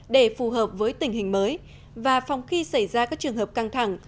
để phù hợp với tình hình mới và phòng khi xảy ra các trường hợp căng thẳng